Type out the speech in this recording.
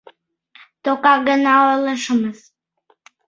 Тока гына ойлышымыс...